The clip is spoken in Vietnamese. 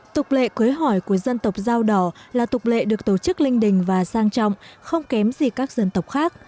tục lệ cưới hỏi của dân tộc dao đỏ là tục lệ được tổ chức linh đình và sang trọng không kém gì các dân tộc khác